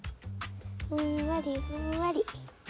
ふんわりふんわり。